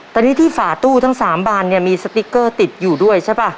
ตอนนี้ที่ฝาตู้ทั้ง๓บานเนี่ยมีสติ๊กเกอร์ติดอยู่ด้วยใช่ป่ะ